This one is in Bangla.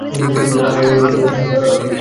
আর এভাবেই আমার ব্যাবসা শুরু করলাম।